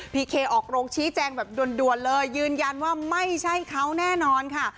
เคออกโรงชี้แจงแบบด่วนเลยยืนยันว่าไม่ใช่เขาแน่นอนค่ะ